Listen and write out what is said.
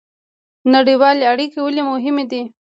نړیوالې اړیکې ولې مهمې دي؟